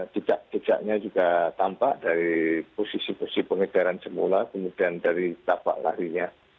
jejak jejaknya juga tampak dari posisi posisi pengedaran semula kemudian dari tapak larinya